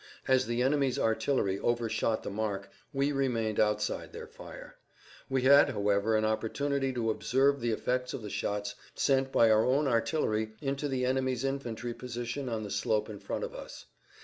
As the enemy's artillery overshot the mark we remained outside their fire. We had however an opportunity to observe the effects of the shots sent by our own artillery into the enemy's infantry position on the slope in front of us.